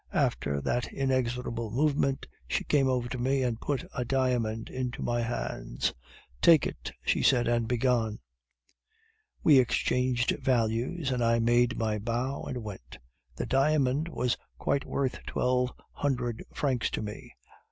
After that inexorable movement, she came over to me and put a diamond into my hands. "Take it," she said, "and be gone." "'We exchanged values, and I made my bow and went. The diamond was quite worth twelve hundred francs to me.